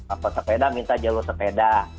apa sepeda minta jalur sepeda